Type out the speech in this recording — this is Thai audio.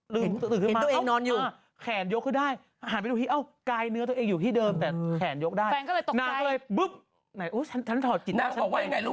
ลืมตัวตึกขึ้นมาอ้าวมาแขนยกขึ้นได้เห็นตัวเองนอนอยู่